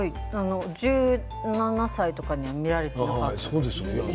１７歳とかには見られていなかったです。